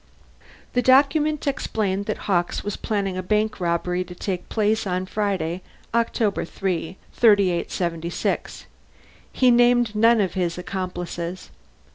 The document explained that Hawkes was planning a bank robbery to take place on Friday, October 3, 3876. He named none of his accomplices.